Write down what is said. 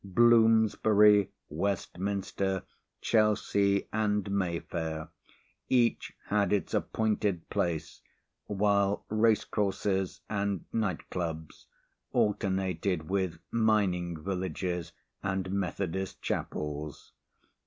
Bloomsbury, Westminster, Chelsea and Mayfair each had its appointed place, while race courses and night clubs alternated with mining villages and methodist chapels.